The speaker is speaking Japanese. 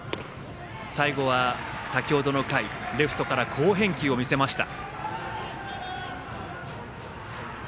最後は先程の回レフトから好返球を見せました。